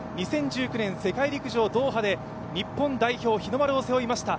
２０１９年世界陸上ドーハで日本代表日の丸を背負いました、